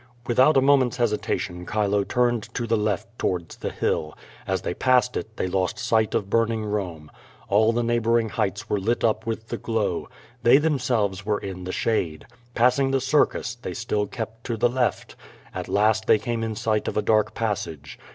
Without a moment's hesitation Chilo turned to the left to wards the hill. As they passed it they lost sight of burn ing Rome. All the neighboring heights were lit up with the glow. They themselves were in the shade. Passing the Circus, they still kept on to the left. At last they came in sight of a dark passage.